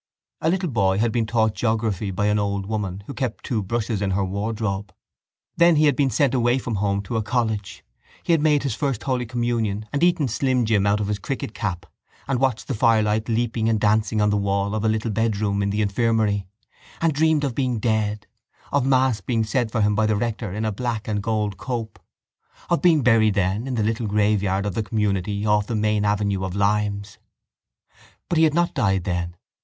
A little boy had been taught geography by an old woman who kept two brushes in her wardrobe. Then he had been sent away from home to a college, he had made his first communion and eaten slim jim out of his cricketcap and watched the firelight leaping and dancing on the wall of a little bedroom in the infirmary and dreamed of being dead, of mass being said for him by the rector in a black and gold cope, of being buried then in the little graveyard of the community off the main avenue of limes. But he had not died then.